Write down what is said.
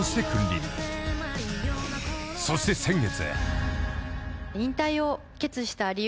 ［そして先月］